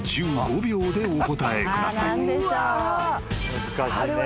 １５秒でお答えください］